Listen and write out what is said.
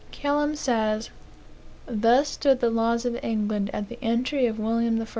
Kelham says: "Thus stood the laws of England at the entry of William I.